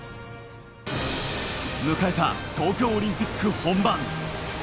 迎えた東京オリンピック本番。